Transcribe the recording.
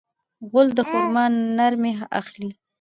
غول د خرما نرمي اخلي.